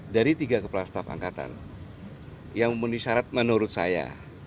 dari tiga kepala staf angkatan yang memenuhi syarat menurut saya